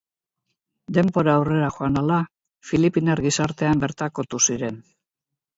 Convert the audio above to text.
Denbora aurrera joan ahala, filipinar gizartean bertakotu ziren.